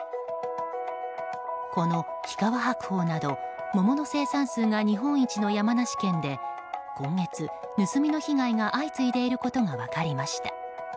この日川白鳳など桃の生産数が日本一の山梨県で今月、盗みの被害が相次いでいることが分かりました。